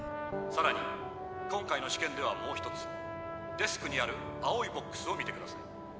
「さらに今回の試験ではもう一つデスクにある青いボックスを見てください。